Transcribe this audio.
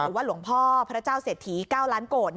หลวงพ่อพระเจ้าเศรษฐี๙ล้านโกรธ